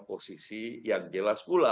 posisi yang jelas pula